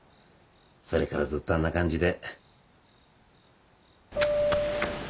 それからずっとあんな感じで。